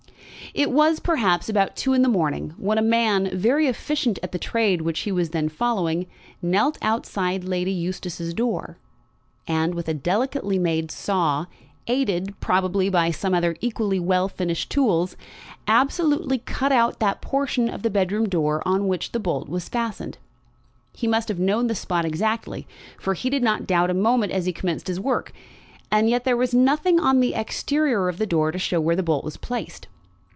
It was, perhaps, about two in the morning when a man, very efficient at the trade which he was then following, knelt outside Lady Eustace's door, and, with a delicately made saw, aided, probably, by some other equally well finished tools, absolutely cut out that portion of the bedroom door on which the bolt was fastened. He must have known the spot exactly, for he did not doubt a moment as he commenced his work; and yet there was nothing on the exterior of the door to show where the bolt was placed.